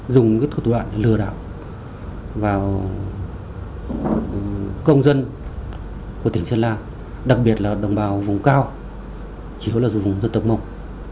dùng các tổ đoạn lừa đảo vào công dân của tỉnh sơn la đặc biệt là đồng bào vùng cao chủ yếu là vùng dân tộc mông